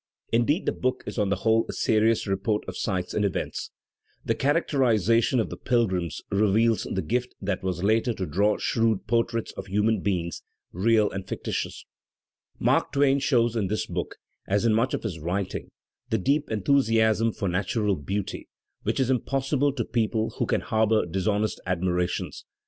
Indeed the book is on the whole a serious report of sights and events. The characterization of the pilgrims reveals the gift that was later to draw shrewd portraits of human beings, real and fictitious. Mark Twain shows in this book, as in Digitized by VjOOQIC MARK TWAIN ^55 much of his writing, the deep enthusiasm for natural beauty which is impossible to people who can harbour dishonest admirations.